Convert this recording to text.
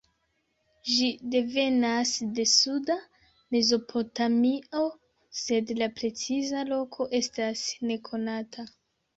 Ĝi devenas de suda Mezopotamio, sed la preciza loko estas nekonata.